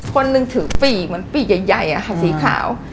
คนหนึ่งถือปีกเหมือนปีกใหญ่อะค่ะสีขาว